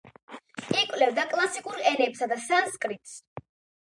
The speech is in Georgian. იკვლევდა კლასიკურ ენებსა და სანსკრიტს.